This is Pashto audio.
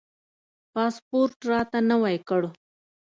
پاسپورټ راته نوی کړ.